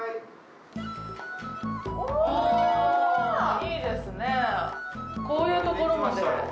いいですね、こういうところまで。